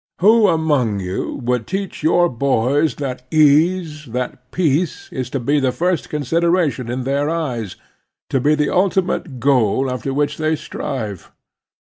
Who among you would teach your boys that ease, that peace, is to be the first consideration in their eyes — to be the ultimate goal after which they strive?